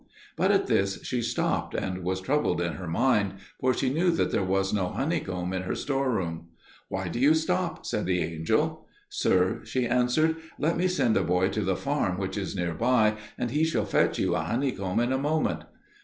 But at this she stopped, and was troubled in her mind, for she knew that there was no honeycomb in her store room. "Why do you stop?" said the angel. "Sir," she answered, "let me send a boy to the farm which is near by, and he shall fetch you a honeycomb in a moment."